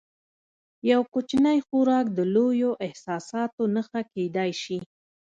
یو کوچنی خوراک د لویو احساساتو نښه کېدای شي.